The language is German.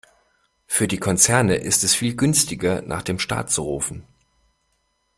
Für die Konzerne ist es viel günstiger, nach dem Staat zu rufen.